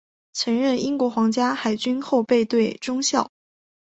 曾任英国皇家海军后备队中校。